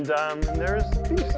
dan ada beast